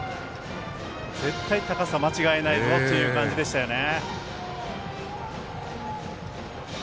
絶対、高さ間違えないぞという感じですね。